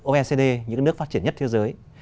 oecd những nước phát triển nhất thế giới